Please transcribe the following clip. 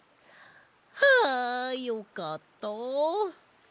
はあよかったあ。